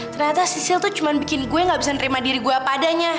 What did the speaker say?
ternyata sisil tuh cuma bikin gue gak bisa nerima diri gue padanya